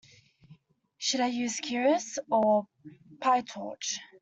Should I use Keras or Pytorch?